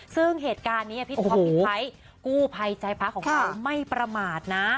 ซึ่งเหตุการณ์นี้พี่ท็อปพี่ไทยกู้ภัยใจพระของเขาไม่ประมาทนะ